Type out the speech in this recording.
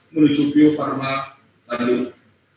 menuju bio farma bandung